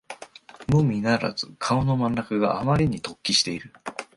のみならず顔の真ん中があまりに突起している